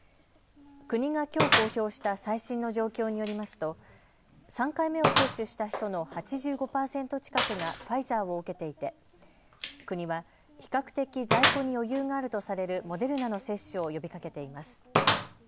国がきょう公表した最新の状況によりますと３回目を接種した人の８５％近くがファイザーを受けていて国は比較的在庫に余裕があるとされるモデルナの接種を呼びかけています。